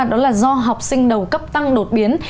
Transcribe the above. đó là do học sinh đầu cấp tăng đột biến